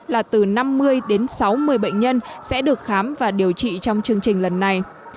là từ năm mươi đến sáu mươi bệnh nhân sẽ được khám và điều trị trong chương trình lần này